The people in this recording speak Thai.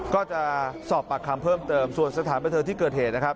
ก็จะสอบปากคำเพิ่มเติมส่วนสถานบันเทิงที่เกิดเหตุนะครับ